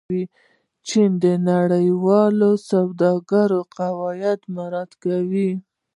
چین د نړیوالې سوداګرۍ قواعد مراعت کوي.